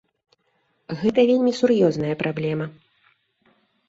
Гэта вельмі сур'ёзная праблема.